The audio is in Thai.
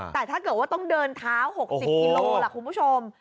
แต่ถ้าเกิดว่าต้องเดินเท้า๖๐กิโลล่ะคุณผู้ชม